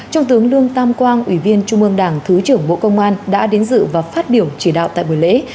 trung tướng lương tam quang ủy viên trung ương đảng thứ trưởng bộ công an đã đến dự và phát biểu chỉ đạo tại buổi lễ